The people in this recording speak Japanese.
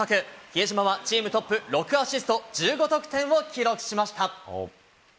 比江島はチームトップ、６アシスト、１５得点を記録しました。